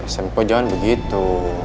sempo jangan begitu